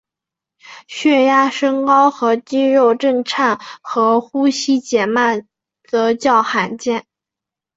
血压升高和肌肉震颤和呼吸减慢则较罕见。